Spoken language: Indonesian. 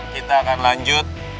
kami akan lanjut